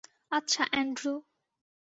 আচ্ছা, অ্যান্ড্রু।